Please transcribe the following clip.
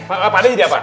pak ustadz jadi apa